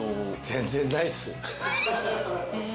全然ないっす。